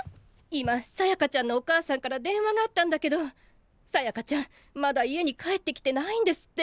今さやかちゃんのお母さんから電話があったんだけどさやかちゃんまだ家に帰ってきてないんですって。